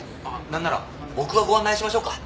なんなら僕がご案内しましょうか？